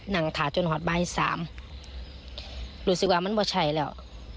นั่งถาจนหอดบาย๓หลุดสิว่ามันไม่ใช่แล้ว